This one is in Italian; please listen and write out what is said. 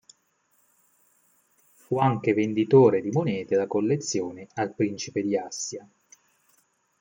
Fu anche venditore di monete da collezione al Principe di Assia.